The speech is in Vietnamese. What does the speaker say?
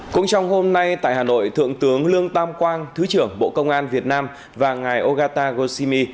cũng trong hôm nay tại hà nội thượng tướng lương tam quang thứ trưởng bộ công an việt nam và ngài ogata goshimi